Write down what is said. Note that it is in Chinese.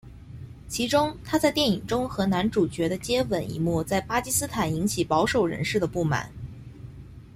其中她在电影中和男主角的接吻一幕在巴基斯坦引起保守人士的不满。